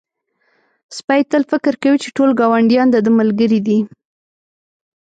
سپی تل فکر کوي چې ټول ګاونډیان د ده ملګري دي.